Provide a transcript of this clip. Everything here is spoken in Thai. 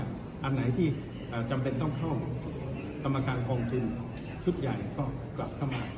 อันไหนที่จำเป็นต้องเข้ากรรมการกองทุนชุดใหญ่ก็กลับเข้ามา